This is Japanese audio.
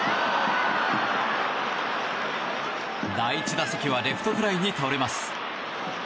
第１打席はレフトフライに倒れます。